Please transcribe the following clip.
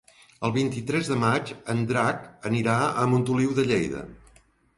El vint-i-tres de maig en Drac anirà a Montoliu de Lleida.